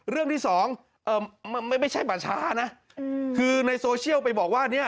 เรื่องที่สองไม่ใช่ป่าช้านะคือในโซเชียลไปบอกว่าเนี่ย